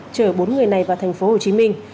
chở bốn người này vào thành phố hồ chí minh